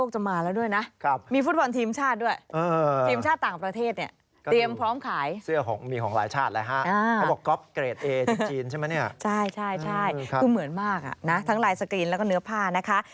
คือเหมือนมากนะทั้งลายสกรีนแล้วก็เนื้อผ้านะคะ